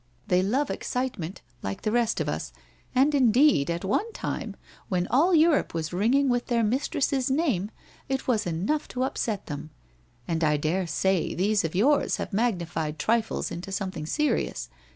They love excitement, like the rest of us, and indeed at one time when all Europe was ringing with their mistress's name, it was enough to upset them. And I daresay these of yours have magnified trifles into something serious.